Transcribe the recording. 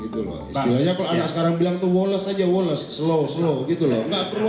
kalau anak sekarang bilang woles saja woles slow slow